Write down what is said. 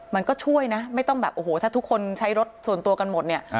มันก็ช่วยนะไม่ต้องแบบโอ้โหถ้าทุกคนใช้รถส่วนตัวกันหมดเนี่ย